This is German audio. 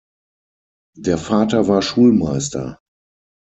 Der Vater war Schulmeister.